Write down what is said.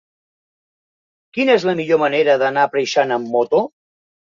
Quina és la millor manera d'anar a Preixana amb moto?